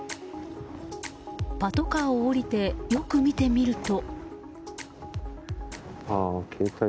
パトカーを降りてよく見てみると。